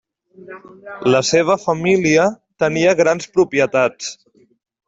La seva família tenia grans propietats.